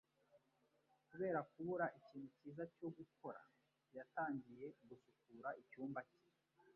Kubera kubura ikintu cyiza cyo gukora, yatangiye gusukura icyumba cye.